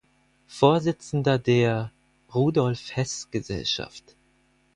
Vorsitzender der "Rudolf-Heß-Gesellschaft".